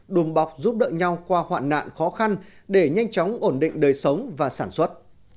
đùm bọc giúp đỡ nhau qua hoạn nạn khó khăn để nhanh chóng ổn định đời sống và sản xuất